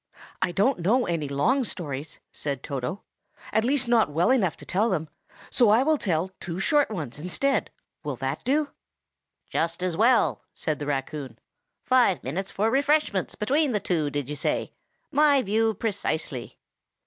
"I don't know any long stories," said Toto, "at least not well enough to tell them; so I will tell two short ones instead. Will that do?" "Just as well," said the raccoon. "Five minutes for refreshments between the two, did you say? My view precisely."